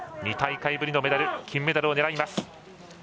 ２大会ぶりのメダル金メダルを狙います。